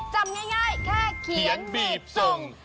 จำง่ายแค่เขียนบีบส่ง